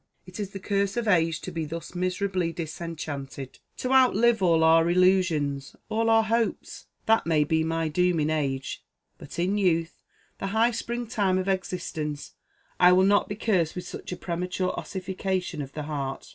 It is the curse of age to be thus miserably disenchanted; to outlive all our illusions, all our hopes. That may be my doom in age, but, in youth, the high spring time of existence, I will not be cursed with such a premature ossification of the heart.